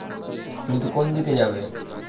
কিন্তু কোন দিকে যাবে?